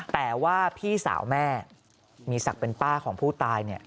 แต่ว่าพี่สาวแม่มีศักดิ์เป็นป้าของผู้ตาย